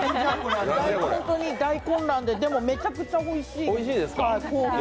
本当に大混乱ででもめちゃくちゃおいしい。